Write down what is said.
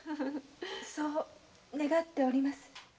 そう願っております。